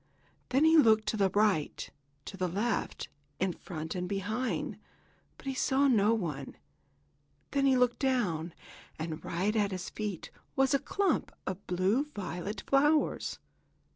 Then he looked to the right, to the left, in front and behind, but he saw no one. Then he looked down, and right at his feet was a clump of blue violet flowers.